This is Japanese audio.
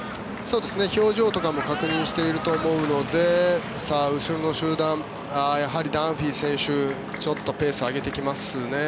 表情とかも確認していると思うので後ろの集団はやはりダンフィー選手ちょっとペースを上げてきますね。